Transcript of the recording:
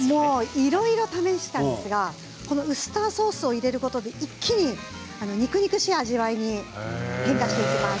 いろいろ試したんですがこのウスターソースを入れることで、一気に肉々しい味わいに変化していきます。